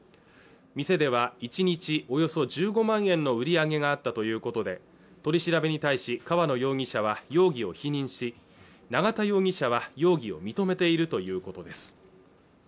店では１日およそ１５万円の売り上げがあったということで取り調べに対し河野容疑者は容疑を否認し永田容疑者は容疑を認めているということです